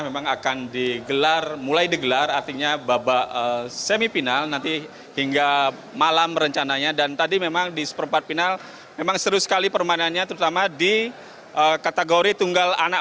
bagaimana perasaan anda